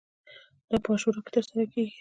دا په عاشورا کې ترسره کیږي.